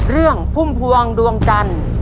เรื่องพุ่มพวงดวงจันทร์